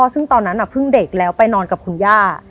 ซึ่งตอนนั้นเพิ่งเด็กแล้วไปนอนกับคุณย่า